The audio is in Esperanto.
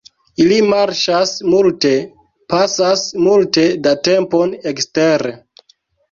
Ili marŝas multe, pasas multe da tempon ekstere.